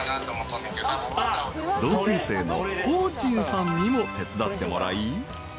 ［同級生のホーチンさんにも手伝ってもらい］